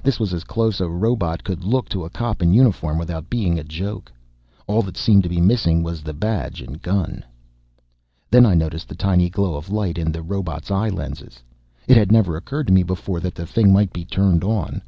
This was as close as a robot could look to a cop in uniform, without being a joke. All that seemed to be missing was the badge and gun. Then I noticed the tiny glow of light in the robot's eye lenses. It had never occurred to me before that the thing might be turned on.